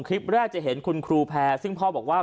คลิปแรกจะเห็นคุณครูแพรซึ่งพ่อบอกว่า